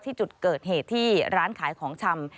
ที่จุดเกิดเหตุที่ร้านขายของชำ